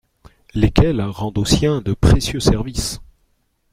Lesquels rendent aux siens de précieux services !